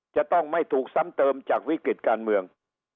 จะต้องไม่ถูกซ้ำเติมจากวิกฤติการเมือง